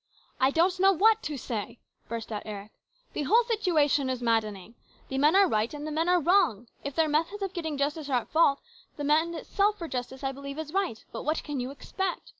" I don't know what to say !" burst out Eric. " The whole situation is maddening. The men are right, and the men are wrong. If their methods of getting justice are at fault, the demand itself for justice I believe is right. But what can you expect?